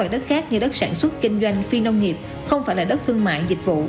đất khác như đất sản xuất kinh doanh phiên nông nghiệp không phải là đất thương mại dịch vụ